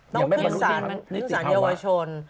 ต้องพึ่งสารเยาวชน